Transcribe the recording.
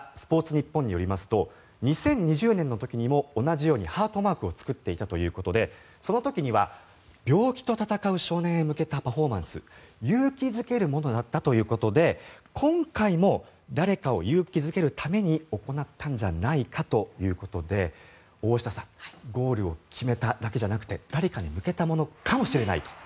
ニッポンによりますと２０２０年の時にも同じようにハートマークを作っていたということでその時には病気と闘う少年へ向けたパフォーマンス勇気付けるものだったということで、今回も誰かを勇気付けるために行ったんじゃないかということで大下さんゴールを決めただけじゃなくて誰かに向けたものかもしれないと。